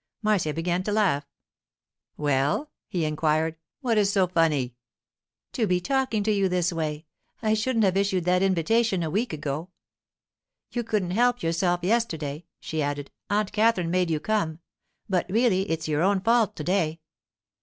Marcia began to laugh. 'Well?' he inquired. 'What is so funny?' 'To be talking to you this way—I shouldn't have issued that invitation a week ago. You couldn't help yourself yesterday,' she added; 'Aunt Katherine made you come; but really it's your own fault to day.